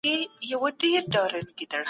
زکات ورکول ستاسو مسؤلیت دی.